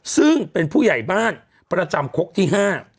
ซึ่งเป็นผู้ใหญ่บ้านประจำคกที่ห้า